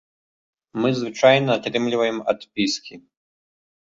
Мы звычайна атрымліваем адпіскі.